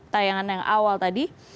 tayangan yang awal tadi